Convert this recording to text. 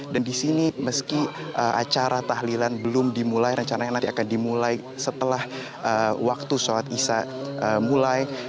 dan disini meski acara tahlilan belum dimulai rencananya nanti akan dimulai setelah waktu sholat isya mulai